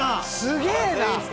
すげえな！